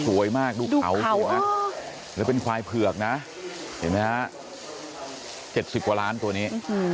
สวยมากดูเขาสิฮะแล้วเป็นควายเผือกนะเห็นไหมฮะ๗๐กว่าล้านตัวนี้